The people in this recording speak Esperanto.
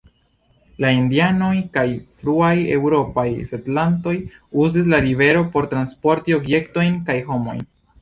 La Indianoj kaj fruaj eŭropaj setlantoj uzis la rivero por transporti objektojn kaj homojn.